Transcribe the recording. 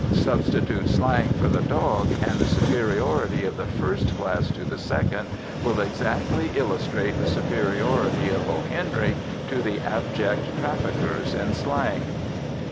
Substitute slang for the dog, and the superiority of the first class to the second will exactly illustrate the superiority of O. Henry to the abject traffickers in slang.